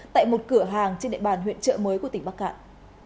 tại một cửa hàng trên địa bàn huyện trợ mới của tỉnh bắc cạn